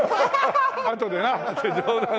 あとでな。って冗談。